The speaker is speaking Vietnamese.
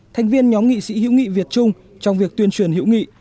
thành viên nhóm nghị sĩ hữu nghị việt trung trong việc tuyên truyền hữu nghị